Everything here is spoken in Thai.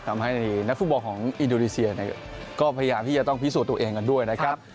ทำให้นักฟุตบอลของอินโดนีเซียก็พยายามที่จะต้องพิสูจน์ตัวเองกันด้วยนะครับ